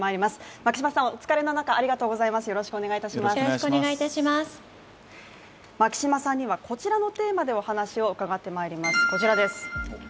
牧島さんにはこちらのテーマでお話を伺ってまいります。